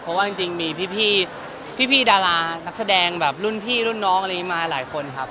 เพราะว่าจริงมีพี่ดารานักแสดงแบบรุ่นพี่รุ่นน้องอะไรอย่างนี้มาหลายคนครับ